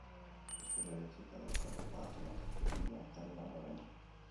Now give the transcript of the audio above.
Istorioa idatzita daukat, eta finantzazio bila ari gara orain.